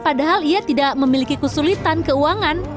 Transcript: padahal ia tidak memiliki kesulitan keuangan